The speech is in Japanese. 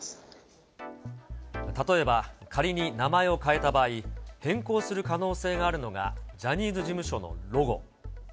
例えば、仮に名前を変えた場合、変更する可能性があるのがジャニーズ事務所のロゴ。